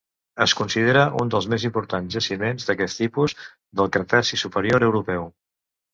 Es considera un dels més importants jaciments d'aquest tipus del Cretaci Superior Europeu.